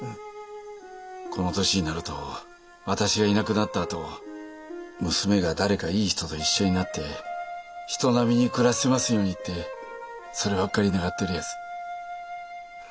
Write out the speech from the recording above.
この年になると私がいなくなったあと娘が誰かいい人と一緒になって人並みに暮らせますようにってそればっかり願っておりやす。